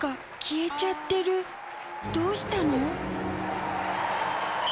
どうしたの？